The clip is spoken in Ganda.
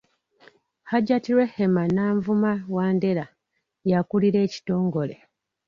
Hajati Rehemah Nanvuma Wandera, y'akulira ekitongole.